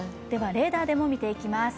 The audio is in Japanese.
レーダーでも見ていきます。